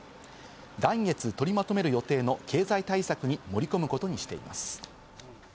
来月、取りまとめる予定の経済対策に盛り込むことにしています。